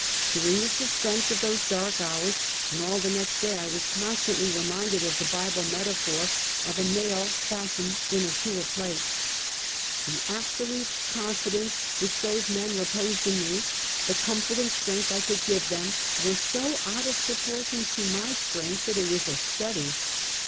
During the suspense of those dark hours, and all the next day I was constantly reminded of the Bible metaphor of "a nail fastened in a sure place." The absolute confidence which those men reposed in me, the comfort and strength I could give them, were so out of proportion to my strength that it was a study.